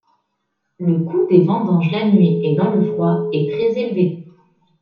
Le coût des vendanges la nuit et dans le froid est très élevé.